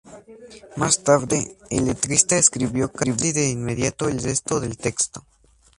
Más tarde, el letrista escribió casi de inmediato el resto del texto.